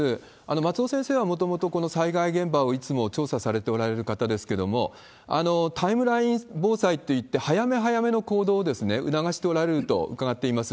松尾先生はもともとこの災害現場をいつも調査されておられる方ですけれども、タイムライン防災といって、早め早めの行動を促しておられると伺っています。